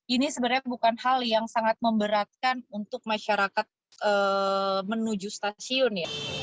ini sebenarnya bukan hal yang sangat memberatkan untuk masyarakat menuju stasiun ya